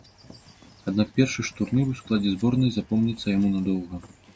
Аднак першы ж турнір у складзе зборнай запомніцца яму надоўга.